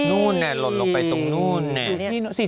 นู่นหล่นลงไปตรงนู้นเนี่ย